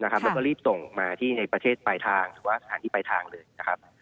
แล้วก็รีบส่งมาที่ในประเทศปลายทางหรือว่าสถานที่ปลายทางเลยนะครับ